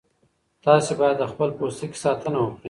تاسي باید د خپل پوستکي ساتنه وکړئ.